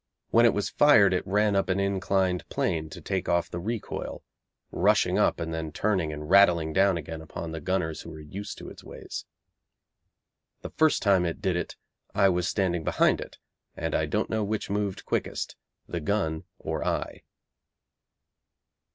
When it was fired it ran up an inclined plane to take off the recoil, rushing up and then turning and rattling down again upon the gunners who were used to its ways. The first time it did it, I was standing behind it, and I don't know which moved quickest the gun or I.